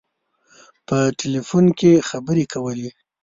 په ټلفون کې خبري کولې.